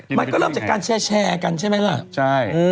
และรอมรอบแสวงแชร์กันใช่มั้ยละ